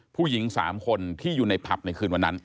ผู้หญิง๓คนที่อยู่ในผับในคืนวันนั้น